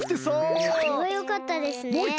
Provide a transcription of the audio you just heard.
それはよかったですね。